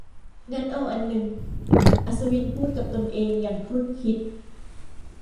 งั้นเอาอันนึง อัศวินพูดกับตนเองอย่างครุ่นคิด